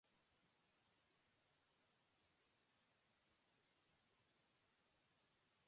More Information